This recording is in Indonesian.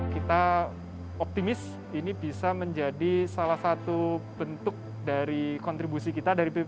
kita optimis ini bisa menjadi salah satu bentuk dari kontribusi kita dari bpp